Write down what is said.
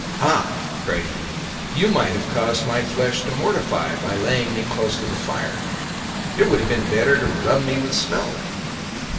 "Ha!" cried he, "you might have caused my flesh to mortify by laying me close to the fire. It would have been better to rub me with snow."